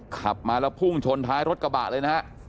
ขับมาแล้วพุ่งชนท้ายรถกระบะเลยนะฮะ